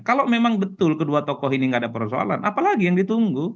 kalau memang betul kedua tokoh ini nggak ada persoalan apalagi yang ditunggu